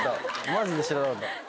マジで知らなかった。